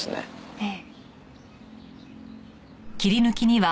ええ。